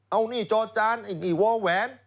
เอานี่จอดจานอีเวลแหวน